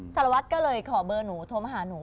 สารวัตรก็เลยขอเบอร์หนูโทรมาหาหนู